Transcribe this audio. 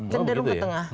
cenderung ke tengah